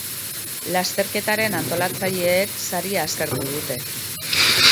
Lasterketaren antolatzaileek saria eskertu dute.